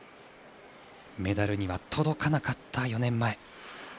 メダルには届かなかった４年前。